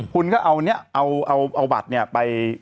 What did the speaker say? คุณก็เอาเนี่ยเอาบัตรเนี่ยไป